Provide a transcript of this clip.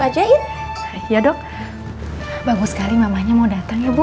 aja ya dok bangus kali mamanya mau datang ya bu